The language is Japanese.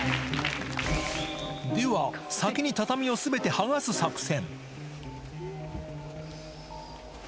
では、先に畳をすべて剥がす作戦。